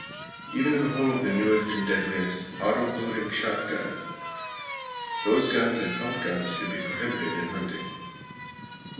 Even in the home of the newest and deadliest "autoloading" shotgun, those guns and pump guns should be prohibited in hunting.